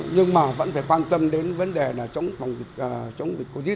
nhưng mà vẫn phải quan tâm đến vấn đề là chống dịch covid